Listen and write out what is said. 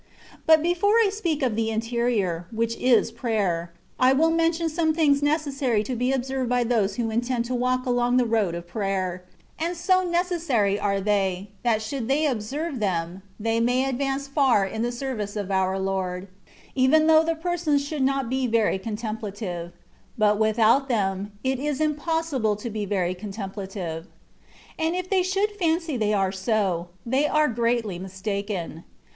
But before I speak of the interior, which is prayer, I will mention some things necessary to be observed by those who intend to walk along the road of prayer ; and so necessary are they. THE WAY OF PERPECTION. IT that should they observe them, they may advance very far in the service of our Lord, even though the persons should not be very contemplative — but without them, it is imposible to be very con templative : and if they should fancy they are so, they are greatly mistaken.